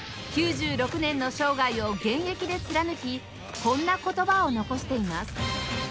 ９６年の生涯を現役で貫きこんな言葉を残しています